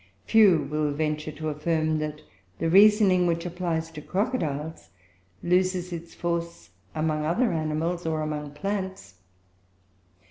Few will venture to affirm that the reasoning which applies to crocodiles loses its force among other animals, or among plants.